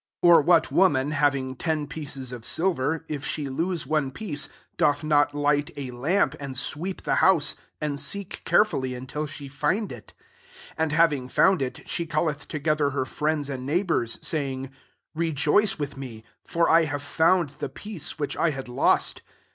8 '• Or what woman, having ten pieces of silver, if she lose one piece, doth not light a lamp, and sweep the house, and seek carefully until she find it ? 9 and having found ity she calleth together ker friend^ and neighbours, saying, ♦ Re joice with me ; for I have found the piece which I had lost.'